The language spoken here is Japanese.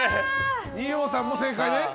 二葉さんも正解ね。